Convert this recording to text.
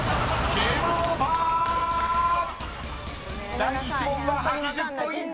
［第１問は８０ポイント！］